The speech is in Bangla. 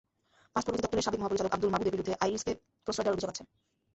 পাসপোর্ট অধিদপ্তরের সাবেক মহাপরিচালক আবদুল মাবুদের বিরুদ্ধে আইরিসকে প্রশ্রয় দেওয়ার অভিযোগ আছে।